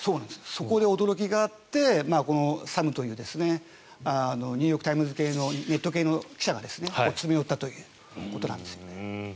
そこで驚きがあってサムというニューヨーク・タイムズ系のネット系の記者が詰め寄ったということなんですね。